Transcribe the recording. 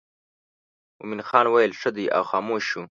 مومن خان ویل ښه دی او خاموش شو.